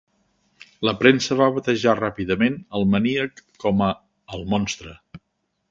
La premsa va batejar ràpidament el maníac com a "El Monstre".